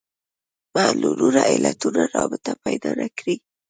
معلولونو علتونو رابطه پیدا نه کړي